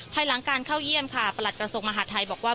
ภายหลังการเข้าเยี่ยมค่ะประหลัดกระทรวงมหาดไทยบอกว่า